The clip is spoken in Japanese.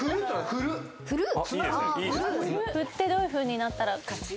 振ってどういうふうになったら勝ち？